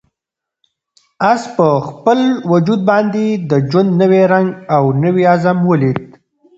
آس په خپل وجود باندې د ژوند نوی رنګ او نوی عزم ولید.